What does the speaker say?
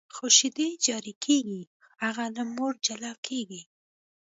خو شیدې جاري کېږي، هغه له مور جلا کېږي.